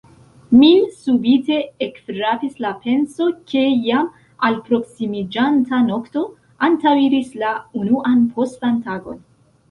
Min subite ekfrapis la penso, ke jam alproksimiĝanta nokto antaŭiris la unuan postan tagon.